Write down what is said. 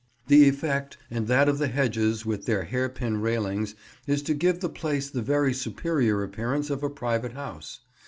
The effect, and that of the hedges with their hairpin railings, is to give the place the very superior appearance of a private house.